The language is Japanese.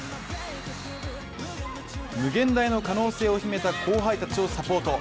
無限大の可能性を秘めた後輩たちをサポート。